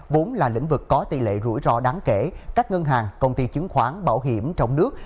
vốn là lĩnh vực có tỷ lệ rủi ro đáng kể các ngân hàng công ty chứng khoán bảo hiểm trong nước